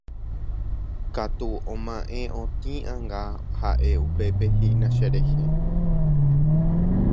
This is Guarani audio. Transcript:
katu oma'ẽ otĩ anga ha'e upépe hína cherehe